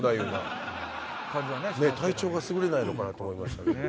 体調が優れないのかなと思いました。